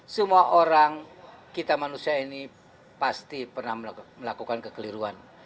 semua orang kita manusia ini pasti pernah melakukan kekeliruan